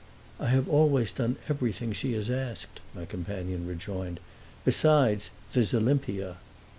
"I have always done everything she has asked," my companion rejoined. "Besides, there's Olimpia."